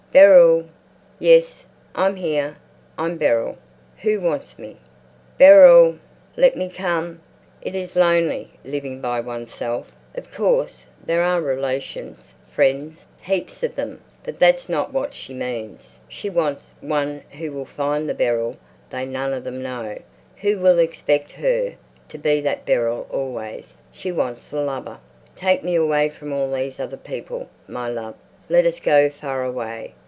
"Beryl!" "Yes, I'm here. I'm Beryl. Who wants me?" "Beryl!" "Let me come." It is lonely living by oneself. Of course, there are relations, friends, heaps of them; but that's not what she means. She wants some one who will find the Beryl they none of them know, who will expect her to be that Beryl always. She wants a lover. "Take me away from all these other people, my love. Let us go far away.